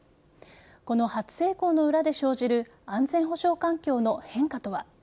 この初成功の裏で生じる安全保障環境の変化とは。